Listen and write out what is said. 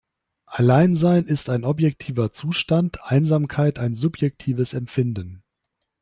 Alleinsein ist ein objektiver Zustand, Einsamkeit ein subjektives Empfinden.